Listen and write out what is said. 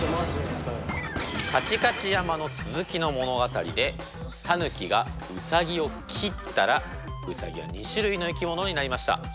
「かちかち山」の続きの物語でタヌキがウサギを斬ったらウサギは２種類の生き物になりました。